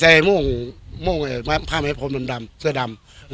ใส่โม่งผ้าแม้โพลมดำเสื้อดำ